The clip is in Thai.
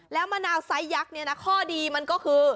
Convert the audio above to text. แล้วมะนาวไซส์ยักษ์เนี่ยนะข้อดีมันก็คือ